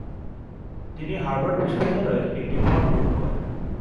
তিনি হার্ভার্ড বিশ্ববিদ্যালয়ে একটি পদ গ্রহণ করেন।